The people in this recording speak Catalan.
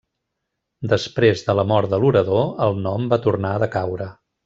Després de la mort de l'orador, el nom va tornar a decaure.